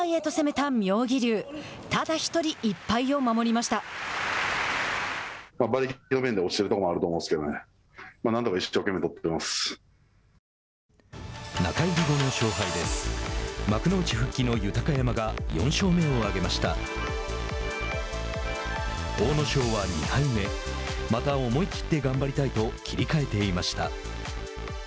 阿武咲は２敗目また思い切って頑張りたいと切り替えていました。